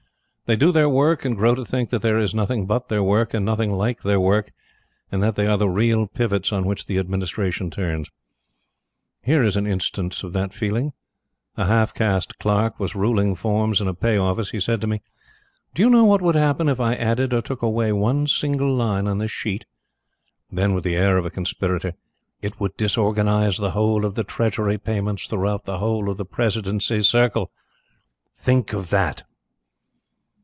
They do their work, and grow to think that there is nothing but their work, and nothing like their work, and that they are the real pivots on which the administration turns. Here is an instance of this feeling. A half caste clerk was ruling forms in a Pay Office. He said to me: "Do you know what would happen if I added or took away one single line on this sheet?" Then, with the air of a conspirator: "It would disorganize the whole of the Treasury payments throughout the whole of the Presidency Circle! Think of that?"